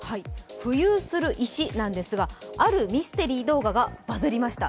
浮遊する石なんですが、あるミステリー動画がバズりました。